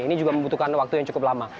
ini juga membutuhkan waktu yang cukup lama